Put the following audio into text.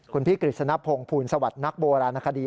คุณพี่กฤษณพงศ์ภูลสวัสดิ์นักโบราณคดี